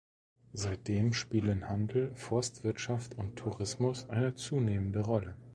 Seitdem spielen Handel, Forstwirtschaft und Tourismus eine zunehmende Rolle.